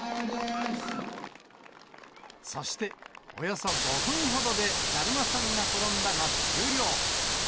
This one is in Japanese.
そして、およそ５分ほどでだるまさんが転んだが終了。